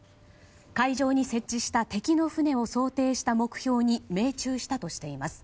海上に設置した敵の船を想定した目標に命中したとしています。